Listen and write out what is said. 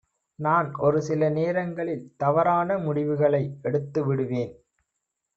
நான் ஒரு சில நேரங்களில் தவறான முடிவுகளை எடுத்து விடுவேன்.